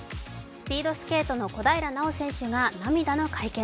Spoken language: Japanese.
スピードスケートの小平奈緒選手が涙の会見。